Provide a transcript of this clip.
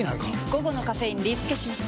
午後のカフェインリスケします！